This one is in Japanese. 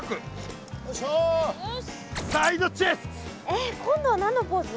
えっ？今度は何のポーズ？